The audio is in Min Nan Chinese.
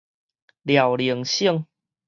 遼寧省